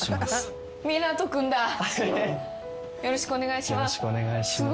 よろしくお願いします